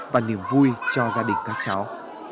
và niềm vui cho gia đình các cháu